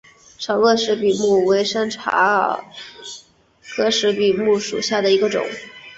长萼石笔木为山茶科石笔木属下的一个种。